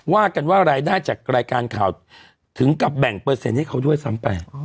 ว่ากันว่ารายได้จากรายการข่าวถึงกับแบ่งเปอร์เซ็นต์ให้เขาด้วยซ้ำไป